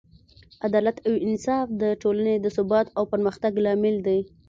عدالت او انصاف د ټولنې د ثبات او پرمختګ لامل دی.